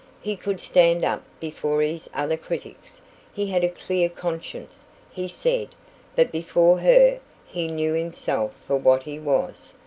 He could stand up before his other critics he had a clear conscience, he said; but before her he knew himself for what he was.